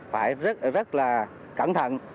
phải rất là cẩn thận